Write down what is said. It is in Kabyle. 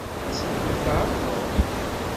Ad sent-tent-tɛeṛḍeḍ?